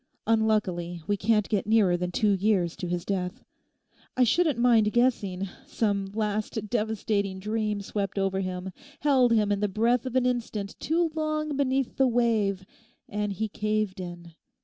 Unluckily we can't get nearer than two years to his death. I shouldn't mind guessing some last devastating dream swept over him, held him the breath of an instant too long beneath the wave, and he caved in.